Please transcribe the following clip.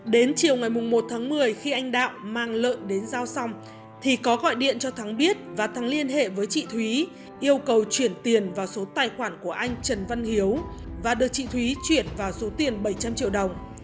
đến chiều ngày một tháng một mươi khi anh đạo mang lợn đến giao xong thì có gọi điện cho thắng biết và thắng liên hệ với chị thúy yêu cầu chuyển tiền vào số tài khoản của anh trần văn hiếu và được chị thúy chuyển vào số tiền bảy trăm linh triệu đồng